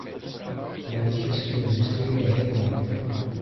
Μα είχε συγκλονιστεί η Αθήνα